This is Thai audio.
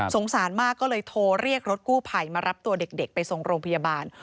สารมากก็เลยโทรเรียกรถกู้ภัยมารับตัวเด็กไปส่งโรงพยาบาล